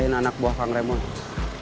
jangan dibiasain ngeremehin yaa ya